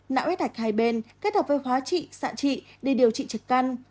nạo hết hạch hai bên kết hợp với hóa trị xạ trị để điều trị trực căn